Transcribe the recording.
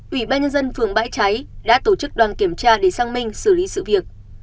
ủy ban nhân dân phường bãi cháy đã tổ chức đoàn kiểm tra để sang minh xử lý sự việc